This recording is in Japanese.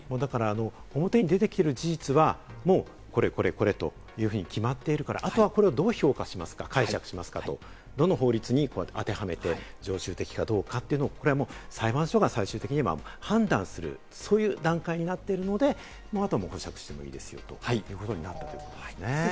表に出てきてる事実は、これこれ、これ、というふうに決まっているから、あとはこれをどう評価しますか、解釈しますかと、どの法律に当てはめて、常習的かどうかというのを、これは裁判所が最終的に判断する、そういう段階になっているので、あとは保釈してもいいですよということになったということですね。